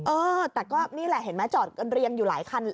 เออแต่ก็นี่แหละเห็นไหมจอดกันเรียงอยู่หลายคัน